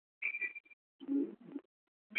其言论在网路上引起轩然大波。